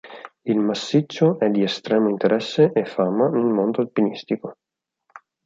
Il massiccio è di estremo interesse e fama nel modo alpinistico.